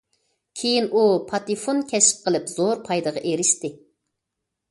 كېيىن ئۇ پاتېفون كەشىپ قىلىپ زور پايدىغا ئېرىشتى.